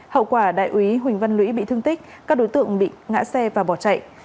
hậu quả đại úy huỳnh văn lũy bị thương tích các đối tượng bị ngã xe và bỏ chạy